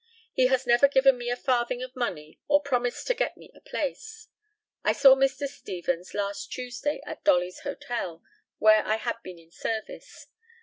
He has never given me a farthing of money or promised to get me a place. I saw Mr. Stevens last Tuesday at Dolly's Hotel, where I had been in service.